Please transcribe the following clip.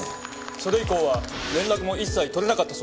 それ以降は連絡も一切取れなかったそうです。